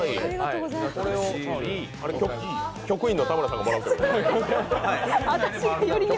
これを局員の田村さんがもらうと。